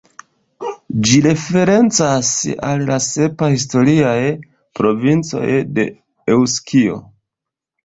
Ĝi referencas al la sep historiaj provincoj de Eŭskio.